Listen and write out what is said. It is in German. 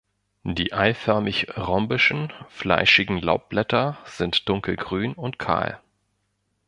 Die eiförmig-rhombischen, fleischigen Laubblätter sind dunkelgrün und kahl.